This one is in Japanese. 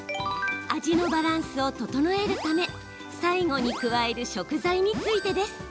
味のバランスを調えるため最後に加える食材についてです。